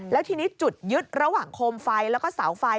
แล้วทีนี้จุดยึดระหว่างโคมไฟแล้วก็เสาไฟ